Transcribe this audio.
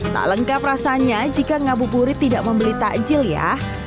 tak lengkap rasanya jika ngabuburit tidak membeli takjil ya